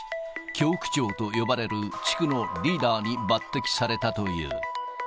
教区長と呼ばれる地区のリーダーに抜てきされたという。